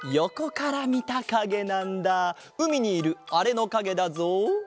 うみにいるあれのかげだぞ。